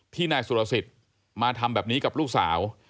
นายสุรสิทธิ์มาทำแบบนี้กับลูกสาว